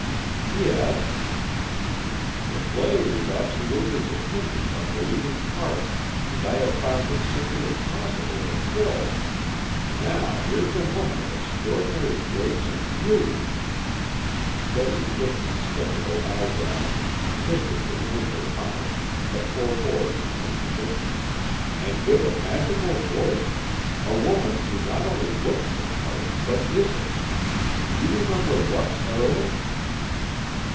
"Yes." "The play is absolutely dependent on the leading part and I have found it simply impossible to fill. Now, here's a woman of extraordinary grace and beauty " Betty lifted skeptical eyebrows, twisted her limber mouth, but forbore to contradict. "And with a magical voice a woman who not only looks the part, but is it. You remember Luck's heroine?"